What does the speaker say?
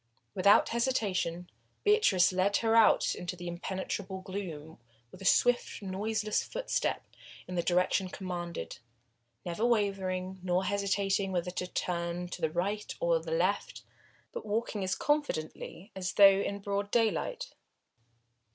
Without hesitation Beatrice led her out into the impenetrable gloom, with swift, noiseless footsteps in the direction commanded, never wavering nor hesitating whether to turn to the right or the left, but walking as confidently as though in broad daylight.